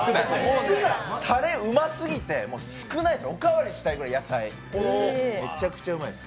たれ、うますぎて、少ないですおかわりしたいくらい、野菜、めちゃくちゃうまいです。